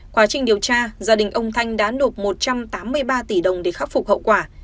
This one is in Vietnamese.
quá trình điều tra gia đình ông thanh đã nộp một trăm tám mươi ba tỷ đồng để khắc phục hậu quả